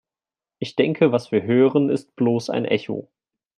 Ich denke, was wir hören, ist bloß ein Echo.